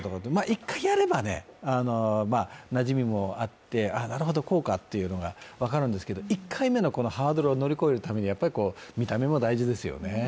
１回やれば、なじみもあってなるほど、こうかというのが分かるんですけど、１回目のハードルを乗り越えるために見た目も大事ですよね。